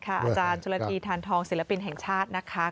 อาจารย์จุลธีทานทองศิลปินแห่งชาตินะคะ